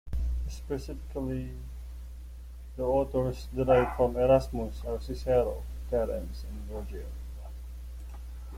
Specifically, the authors derived from Erasmus are Cicero, Terence, and Virgil.